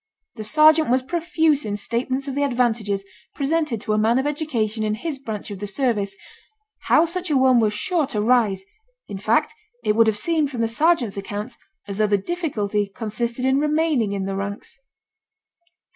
The sergeant was profuse in statements of the advantages presented to a man of education in his branch of the service; how such a one was sure to rise; in fact, it would have seemed from the sergeant's account, as though the difficulty consisted in remaining in the ranks.